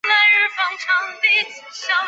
编号按顺序编号数或者编定的号数。